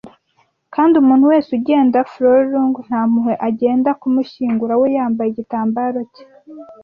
Kandi umuntu wese ugenda furlong nta mpuhwe agenda kumushyingura we yambaye igitambaro cye,